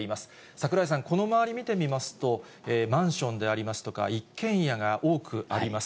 櫻井さん、この周り見てみますと、マンションでありますとか、一軒家が多くあります。